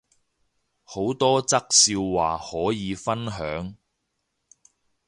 好多則笑話可以分享